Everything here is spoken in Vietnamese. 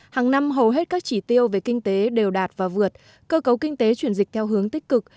hàng năm hầu hết các chỉ tiêu về kinh tế đều đạt và vượt cơ cấu kinh tế chuyển dịch theo hướng tích cực